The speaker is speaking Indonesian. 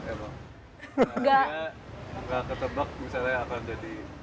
karena dia ga ketebak misalnya akan jadi